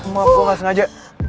maaf gue gak sengaja